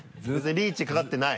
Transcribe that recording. リーチかかってない？